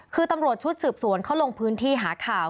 คือตำรวจชุดสืบสวนเขาลงพื้นที่หาข่าว